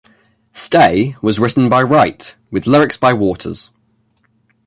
"Stay" was written by Wright, with lyrics by Waters.